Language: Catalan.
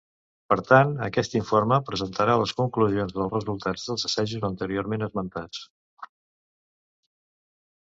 Per tant, aquest informe presentarà les conclusions dels resultats dels assajos anteriorment esmentats.